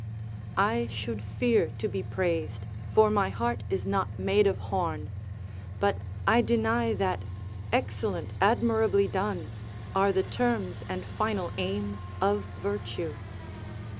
["I should fear to be praised, for my heart is not made of horn; but I deny that 'excellent admirably done,' are the terms and final aim of virtue."